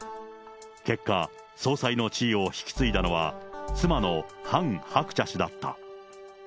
結果、総裁の地位を引き継いだのは、妻のハン・ハクチャ氏だった。